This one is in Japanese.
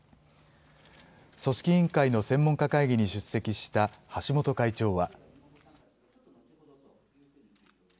組織委員会の専門家会議に出席した橋本会長は。